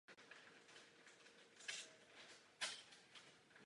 Je možné mít zuby navíc.